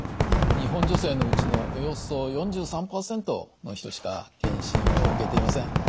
日本女性のうちのおよそ４３％の人しか検診を受けていません。